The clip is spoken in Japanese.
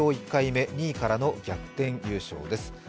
１回目、２位からの逆転優勝です。